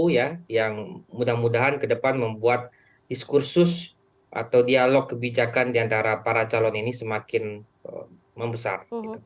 yang mudah mudahan ke depan membuat diskursus atau dialog kebijakan diantara para calon ini semakin membesar